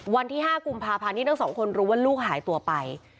วันที่๕กุมภาพันธ์ที่ทั้งสองคนรู้ว่าลูกหายตัวไป